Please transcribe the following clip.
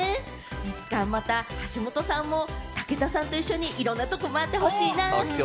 いつかまた、橋本さんも武田さんと一緒にいろんなとこ回ってほしいな。